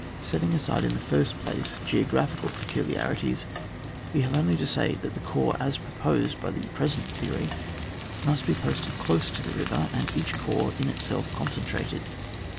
Settiog aside, in the first placa^ geo graphical peculiarities, we have only to say that the corps as proposed by the present theory, must be posted dose to the river, and each corps in itself concentrated.